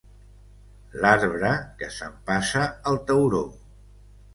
L'arbre que s'empassa el tauró.